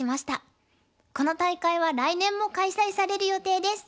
この大会は来年も開催される予定です。